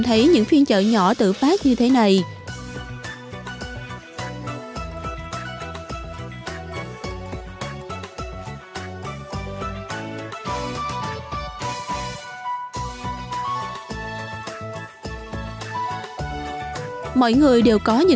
thế là nhìn cái rau như thế nào ạ